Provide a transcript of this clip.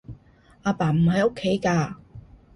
阿爸唔喺屋企㗎